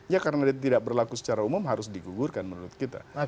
ya karena dia tidak berlaku secara umum harus digugurkan menurut kita